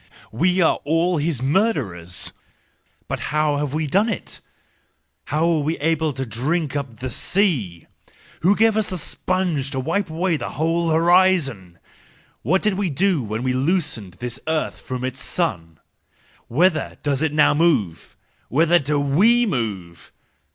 We are all his murderers ! But how have we done it ? How were we able to drink up the 168 THE JOYFUL WISDOM, III sea ? Who gave us the sponge to wipe away the whole horizon ? What did we do when we loosened this earth from its sun? Whither does it now move? Whither do we move?